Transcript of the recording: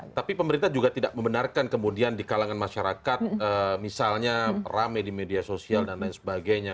tapi pemerintah juga tidak membenarkan kemudian di kalangan masyarakat misalnya rame di media sosial dan lain sebagainya